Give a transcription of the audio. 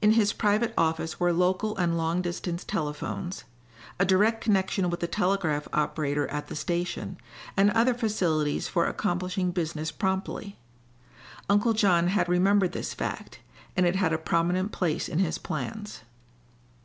In his private office were local and long distance telephones, a direct connection with the telegraph operator at the station, and other facilities for accomplishing business promptly. Uncle John had remembered this fact, and it had a prominent place in his plans.